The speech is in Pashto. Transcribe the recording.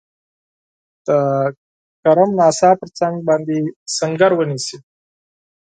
د کرم ناسا پر څنګ باندي سنګر ونیسي.